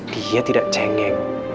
dia tidak cengeng